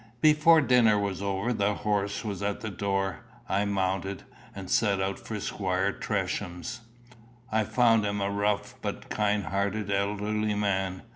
Before dinner was over the horse was at the door. I mounted, and set out for Squire Tresham's. I found him a rough but kind hearted elderly man.